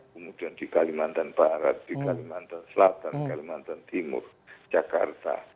kemudian di kalimantan barat di kalimantan selatan kalimantan timur jakarta